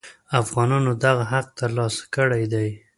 افغانانو دغه حق تر لاسه کړی دی.